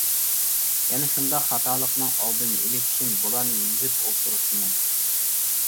يەنە شۇنداق خاتالىقنىڭ ئالدىنى ئېلىش ئۈچۈن بۇلارنى يېزىپ ئولتۇرۇپتىمەن.